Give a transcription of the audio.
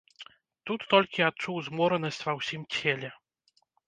Тут толькі адчуў зморанасць ва ўсім целе.